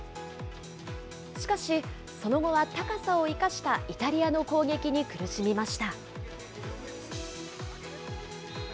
しかし、その後は高さを生かしたイタリアの攻撃に苦しみました。